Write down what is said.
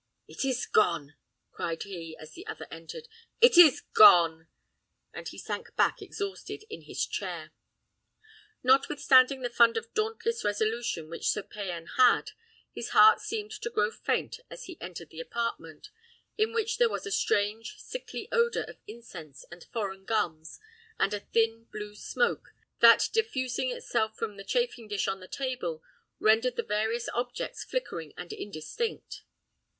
"It is gone!" cried he, as the other entered. "It is gone!" And he sank back exhausted in his chair. Notwithstanding the fund of dauntless resolution which Sir Payan held, his heart seemed to grow faint as he entered the apartment, in which there was a strange sickly odour of incense and foreign gums, and a thin blue smoke, that diffusing itself from a chafing dish on the table, rendered the various objects flickering and indistinct.